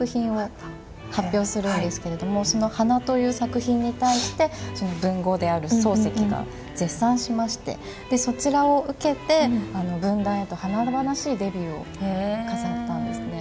その「鼻」という作品に対して文豪である漱石が絶賛しましてそちらを受けて文壇へと華々しいデビューを飾ったんですね。